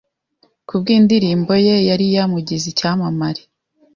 ku bw’indirimbo ye yari yamugize icyamamare